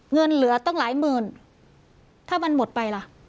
เงินเหลือตั้งหลายหมื่นถ้ามันหมดไปล่ะ